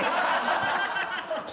ハハハハ！